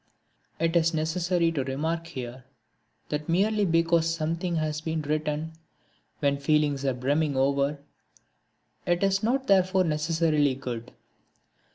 It is necessary to remark here that merely because something has been written when feelings are brimming over, it is not therefore necessarily good.